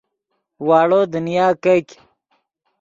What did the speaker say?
واڑو دنیا کیګ